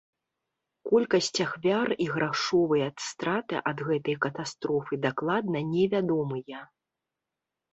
Колькасць ахвяр і грашовыя страты ад гэтай катастрофы дакладна не вядомыя.